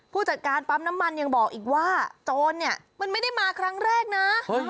ผู้จัดการปั๊มน้ำมันยังบอกอีกว่าโจรเนี่ยมันไม่ได้มาครั้งแรกนะ